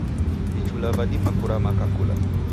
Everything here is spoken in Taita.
Vichula vidima kurama kakula.